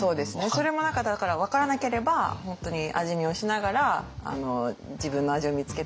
それも何かだから分からなければ本当に「味見をしながら自分の味を見つけてください」って